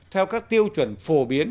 theo các tiêu chuẩn phổ biến